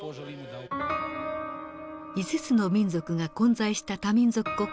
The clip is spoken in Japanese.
５つの民族が混在した多民族国家ユーゴ。